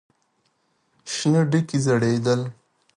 شنه ډکي ځړېدل.